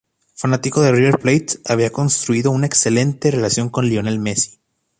Fanático de River Plate, había construido una excelente relación con Lionel Messi.